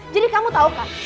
jadi kamu tahu kan